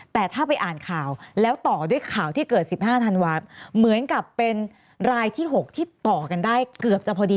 แต่ถ้าไปอ่านข่าวแล้วต่อด้วยข่าวที่เกิด๑๕ธันวาคเหมือนกับเป็นรายที่๖ที่ต่อกันได้เกือบจะพอดี